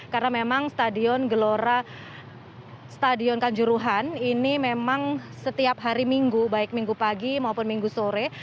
karena memang stadion gelora stadion kanjuruhan ini memang setiap hari minggu baik minggu pagi maupun minggu sore